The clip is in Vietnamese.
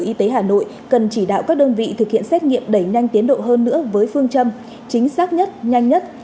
y tế hà nội cần chỉ đạo các đơn vị thực hiện xét nghiệm đẩy nhanh tiến độ hơn nữa với phương châm chính xác nhất nhanh nhất